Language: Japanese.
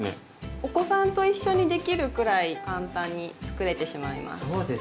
お子さんと一緒にできるくらい簡単に作れてしまいます。